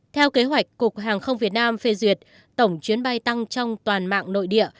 theo kế hoạch cục hàng không việt nam phê duyệt tổng chuyến bay tăng trong toàn mạng nội địa